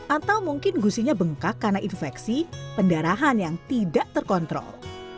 atau mungkin gusinya bengkak karena infeksi pendarahan yang tidak terkontrol